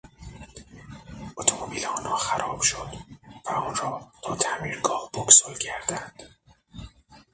اتومبیل آنها خراب شد و آن را تا تعمیرگاه بکسل کردند.